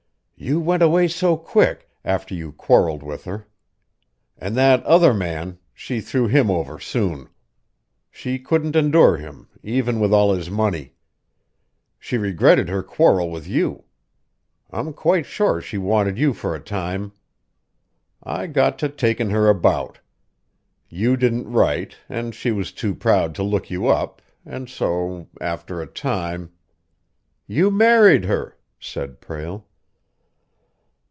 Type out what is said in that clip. "You went away so quick after you quarreled with her. And that other man she threw him over, soon. She couldn't endure him, even with all his money. She regretted her quarrel with you. I'm quite sure she wanted you for a time. I got to taking her about. You didn't write, and she was too proud to look you up, and so after a time " "You married her," said Prale.